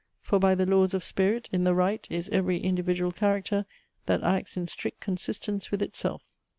For, by the laws of spirit, in the right Is every individual character That acts in strict consistence with itself."